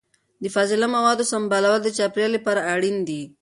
د فاضله موادو سمبالول د چاپیریال لپاره اړین دي.